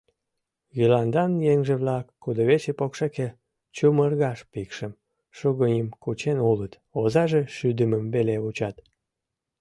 Йыландан еҥже-влак кудывече покшеке чумыргаш пикшым, шугыньым кучен улыт, озаже шӱдымым веле вучат...